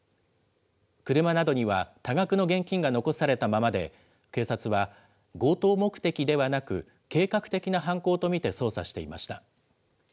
車などには多額の現金が残されたままで、警察は強盗目的ではなく、計画的な犯行と見て捜査していました。